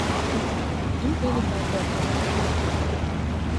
Doe bin ik by beppe kommen.